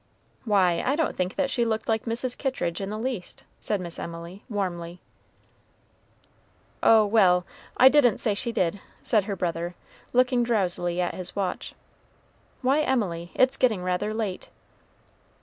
"Why, I don't think that she looked like Mrs. Kittridge in the least," said Miss Emily, warmly. "Oh, well! I didn't say she did," said her brother, looking drowsily at his watch; "why, Emily, it's getting rather late."